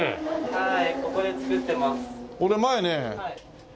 はい。